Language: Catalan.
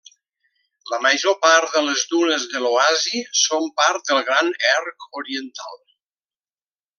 La major part de les dunes de l'oasi són part del Gran Erg Oriental.